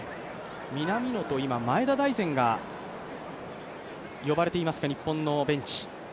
南野と前田大然が呼ばれています日本のベンチ。